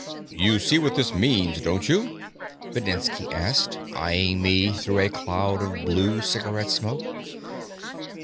"You see what this means, don't you?" Videnski asked, eying me through a cloud of blue cigarette smoke.